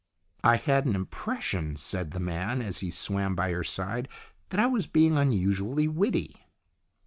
" I had an impression," said the man, as he swam by her side, "that I was being unusually witty."